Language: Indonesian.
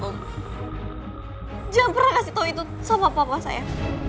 jangan pernah kasih tahu itu sama papa saya